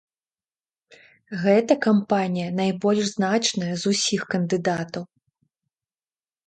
Гэта кампанія найбольш значная з усіх кандыдатаў.